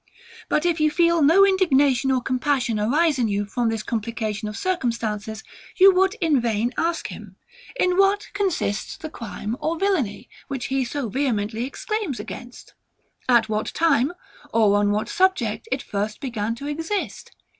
But if you feel no indignation or compassion arise in you from this complication of circumstances, you would in vain ask him, in what consists the crime or villainy, which he so vehemently exclaims against? At what time, or on what subject it first began to exist?